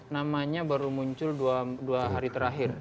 namanya baru muncul dua hari terakhir